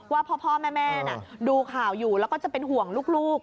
ว่าพ่อแม่ดูข่าวอยู่แล้วก็จะเป็นห่วงลูก